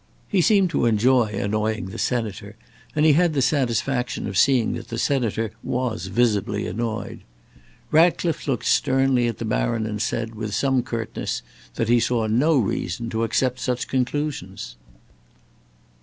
He seemed to enjoy annoying the senator, and he had the satisfaction of seeing that the senator was visibly annoyed. Ratcliffe looked sternly at the baron and said, with some curtness, that he saw no reason to accept such conclusions.